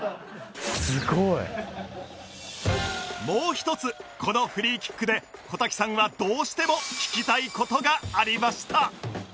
もう一つこのフリーキックで小瀧さんはどうしても聞きたい事がありました